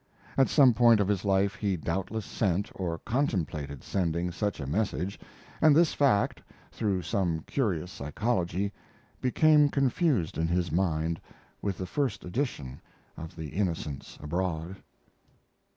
At some period of his life he doubtless sent, or contemplated sending, such a message, and this fact, through some curious psychology, became confused in his mind with the first edition of The Innocents Abroad.